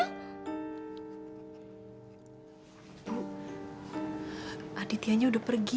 bu adityanya udah pergi